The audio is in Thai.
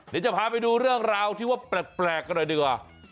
เดี๋ยวจะพาไปดูเรื่องราวที่ว่าแปลกกันหน่อยดีกว่า